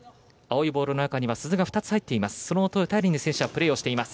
ボールの中には鈴が２つ入っています。